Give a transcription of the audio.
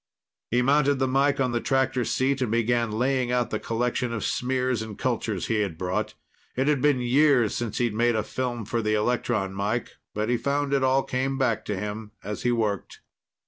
He mounted the mike on the tractor seat and began laying out the collection of smears and cultures he had brought. It had been years since he'd made a film for the electron mike, but he found it all came back to him as he worked.